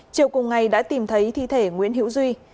chiều cùng ngày đã tìm thấy thi thể nguyễn hữu duy